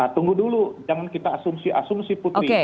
tunggu dulu jangan kita asumsi asumsi putri